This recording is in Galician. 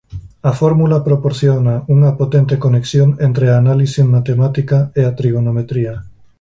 A fórmula proporciona unha potente conexión entre a análise matemática e a trigonometría.